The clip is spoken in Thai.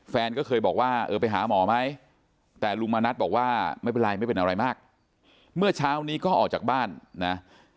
แฟนก็เคยบอกว่าเออไปหาหมอไหมแต่ลุงมณัฐบอกว่าไม่เป็นไรไม่เป็นอะไรมากเมื่อเช้านี้ก็ออกจากบ้านนะ